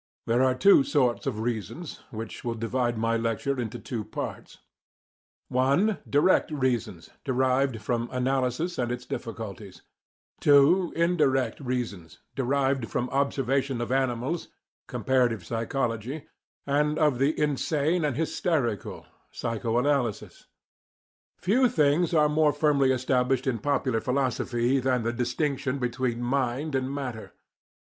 There are two sorts of reasons, which will divide my lecture into two parts: (1) Direct reasons, derived from analysis and its difficulties; (2) Indirect reasons, derived from observation of animals (comparative psychology) and of the insane and hysterical (psycho analysis). Few things are more firmly established in popular philosophy than the distinction between mind and matter.